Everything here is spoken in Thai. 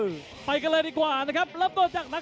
สวัสดีครับท้ายรับมวยไทยไฟเตอร์